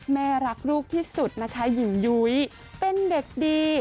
แม่รักลูกที่สุดนะคะหญิงยุ้ยเป็นเด็กดี